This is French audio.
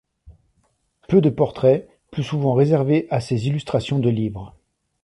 Peu de portraits, plus souvent réservés à ses illustrations de livres.